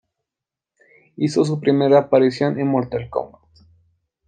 Hizo su primera aparición en Mortal Kombat.